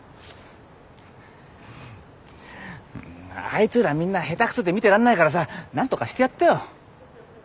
あいつらみんな下手くそで見てらんないからさ何とかしてやってよ。